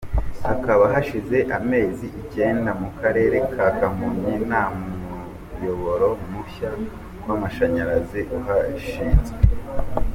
Hakaba hashize amezi icyenda mu karere ka Kamonyi nta muyoboro mushya w’amashanyarazi uhashyizwe.